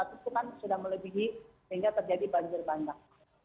empat ratus itu kan sudah melebihi sehingga terjadi banjir banyak